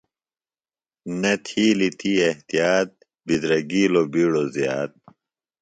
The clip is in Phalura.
نہ تِھیلیۡ تی احتیاط، بِدرگِیلوۡ بِیڈوۡ زِیات